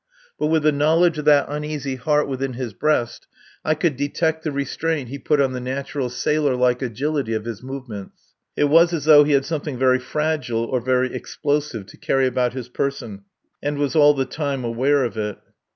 But with the knowledge of that uneasy heart within his breast I could detect the restraint he put on the natural sailor like agility of his movements. It was as though he had something very fragile or very explosive to carry about his person and was all the time aware of it.